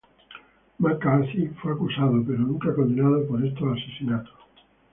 McCarthy fue acusada pero nunca condenada por esos asesinatos.